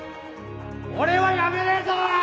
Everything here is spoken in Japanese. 俺は辞めねえぞ！